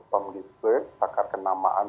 pemilih swet pakar kenamaan